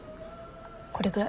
これぐらい。